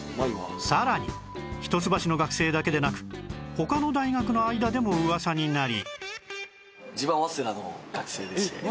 さらに一橋の学生だけでなく他の大学の間でもうわさになり